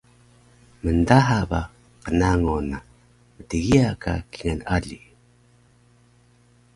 mndaha ba qnango na mtgiya ka kingal ali